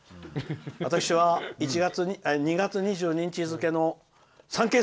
私は２月２２日付のサンケイ